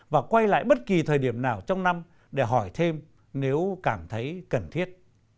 và quay lại bất kỳ thời điểm nào trong năm để hỏi thêm nếu cảm thấy cần thiết